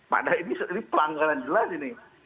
pada ini ini pelanggaran jelas ini